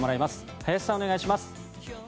林さん、お願いします。